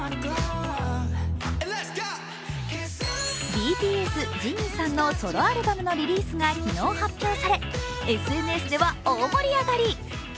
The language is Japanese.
ＢＴＳ、ＪＩＭＩＮさんのソロアルバムのリリースが昨日発表され、ＳＮＳで大盛り上がり。